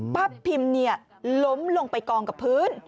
พิมล้มลงไปกองกับพื้น